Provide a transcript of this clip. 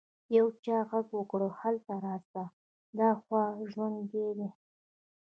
يو چا ږغ وکړ هلته راسئ دا خو ژوندى دى.